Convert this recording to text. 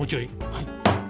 はい。